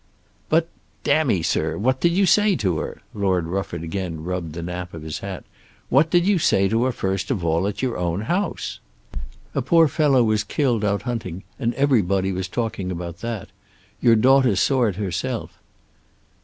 "But, damme, Sir, what did you say to her?" Lord Rufford again rubbed the nap of his hat. "What did you say to her first of all, at your own house?" "A poor fellow was killed out hunting and everybody was talking about that. Your daughter saw it herself."